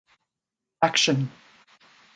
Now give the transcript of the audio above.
Action.